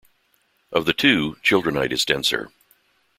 Of the two, childrenite is denser.